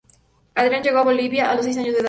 Adrián llegó a Bolivia a los seis años de edad.